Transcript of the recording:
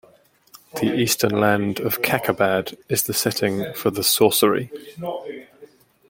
The eastern land of Kakhabad is the setting for the Sorcery!